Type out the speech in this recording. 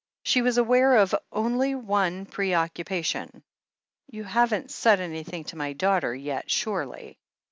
She was aware of only one preoccupation. "You haven't said anything to my daughter yet, surely?"